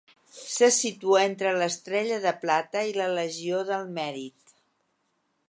Se situa entre l'Estrella de Plata i la Legió del Mèrit.